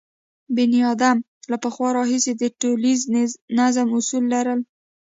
بنیادم له پخوا راهیسې د ټولنیز نظم اصول لرل.